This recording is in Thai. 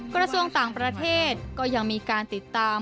กระทรวงต่างประเทศก็ยังมีการติดตาม